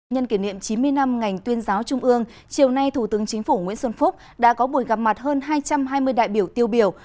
nhân kỷ niệm chín mươi năm ngành tuyên giáo trung ương chiều nay thủ tướng chính phủ nguyễn xuân phúc đã có buổi gặp mặt hơn hai trăm hai mươi đại biểu tiêu biểu